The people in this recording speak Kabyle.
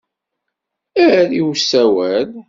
Err i usawal.